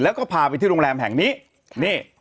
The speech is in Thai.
แล้วก็พาไปที่โรงแรมแห่งนี้นี่